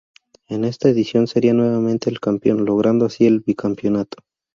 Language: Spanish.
En esta edición sería nuevamente el campeón, logrando así el bicampeonato.